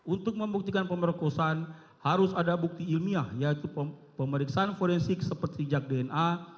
untuk membuktikan pemerkosaan harus ada bukti ilmiah yaitu pemeriksaan forensik seperti jak dna